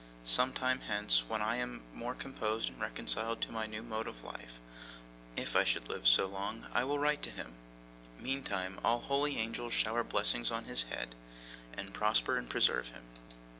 Some time hence, when I am more composed and reconciled to my new mode of life, if I should live so long, I will write to him. Meantime, all holy angels shower blessings on his head, and prosper and preserve him.